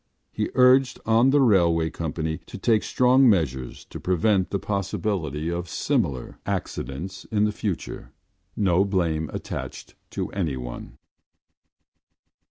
He urged on the railway company to take strong measures to prevent the possibility of similar accidents in the future. No blame attached to anyone.